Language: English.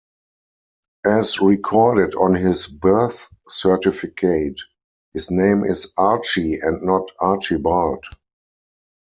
As recorded on his birth certificate, his name is Archie and not Archibald.